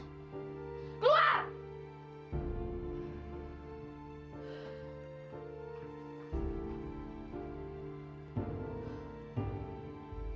aku mau ke rumah